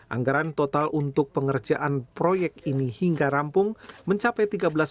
anggaran total untuk pengerjaan proyek ini hingga rampung mencapai tiga belas